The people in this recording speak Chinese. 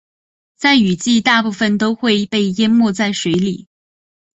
在雨季大部分都会被淹没在水里。